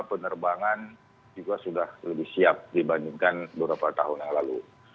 penerbangan juga sudah lebih siap dibandingkan beberapa tahun yang lalu